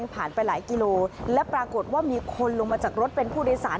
ผ่านไปหลายกิโลและปรากฏว่ามีคนลงมาจากรถเป็นผู้โดยสาร